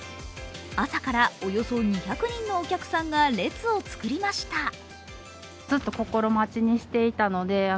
朝からおよそ２００人のお客さんが列を作りました。